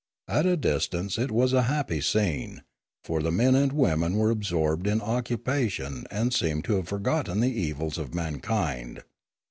At a distance it was a happy scene; for the men and women were absorbed in occu pation and seemed to have forgotten the evils of man kind.